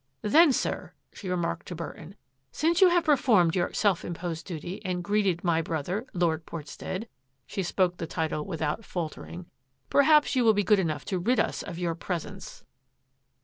" Then, sir," she remarked to Burton, " since you have performed your self imposed duty and greeted my brother. Lord Portstead," she spoke the title with out faltering, " perhaps you will be good enough to rid us of your presence."